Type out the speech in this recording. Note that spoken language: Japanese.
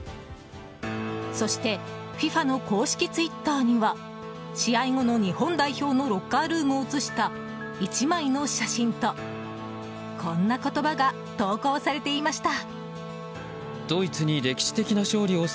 そしてＦＩＦＡの公式ツイッターには試合後の日本代表のロッカールームを写した１枚の写真とこんな言葉が投稿されていました。